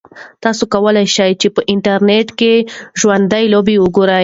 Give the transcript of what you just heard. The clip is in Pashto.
تاسو کولای شئ چې په انټرنیټ کې ژوندۍ لوبې وګورئ.